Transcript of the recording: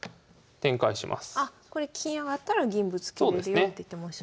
これ金上がったら銀ぶつけれるよって言ってましたね。